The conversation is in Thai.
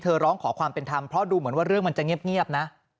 ร้องขอความเป็นธรรมเพราะดูเหมือนว่าเรื่องมันจะเงียบนะ